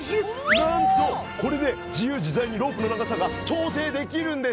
なんとこれで自由自在にロープの長さが調整できるんです。